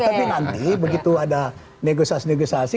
tapi nanti begitu ada negosiasi negosiasi